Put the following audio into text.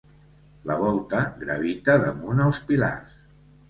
La volta gravita damunt els pilars.